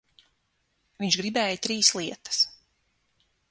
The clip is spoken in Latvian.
Viņš gribēja trīs lietas.